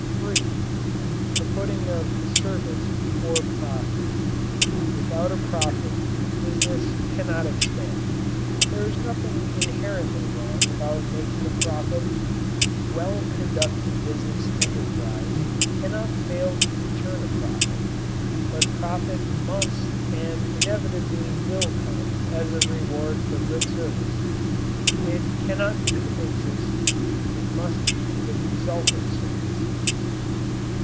3. The putting of service before profit. Without a profit, business cannot extend. There is nothing inherently wrong about making a profit. Well conducted business enterprise cannot fail to return a profit, but profit must and inevitably will come as a reward for good service. It cannot be the basis it must be the result of service.